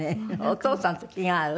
お父さんと気が合う。